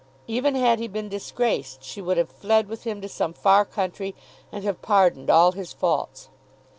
Even had he been disgraced she would have fled with him to some far country and have pardoned all his faults.